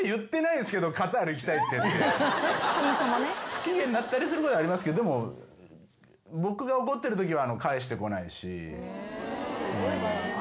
不機嫌になったりすることはありますけどでも僕が怒ってるときは返してこないし。